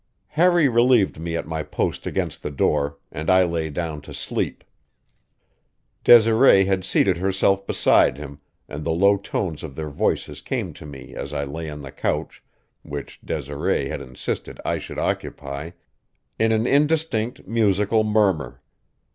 Harry relieved me at my post against the door, and I lay down to sleep. Desiree had seated herself beside him, and the low tones of their voices came to me as I lay on the couch (which Desiree had insisted I should occupy) in an indistinct, musical murmur.